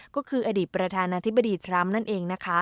ก็คืออดีตประธานาธิบดีทรัมป์นั่นเองนะคะ